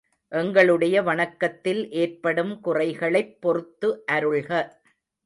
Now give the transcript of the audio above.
எங்களுடைய வணக்கத்தில் ஏற்படும் குறைகளைப் பொறுத்து அருள்க.